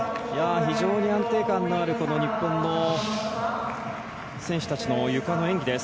非常に安定感のある日本の選手たちのゆかの演技です。